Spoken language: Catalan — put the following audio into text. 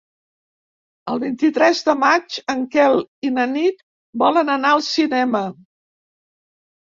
El vint-i-tres de maig en Quel i na Nit volen anar al cinema.